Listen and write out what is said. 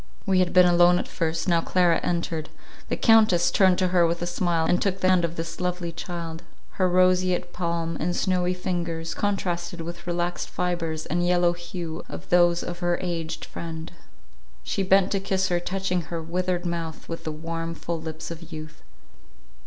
We had been alone at first; now Clara entered; the Countess turned to her with a smile, and took the hand of this lovely child; her roseate palm and snowy fingers, contrasted with relaxed fibres and yellow hue of those of her aged friend; she bent to kiss her, touching her withered mouth with the warm, full lips of youth.